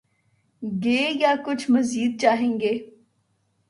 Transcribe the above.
گے یا کچھ مزید چاہیں گے؟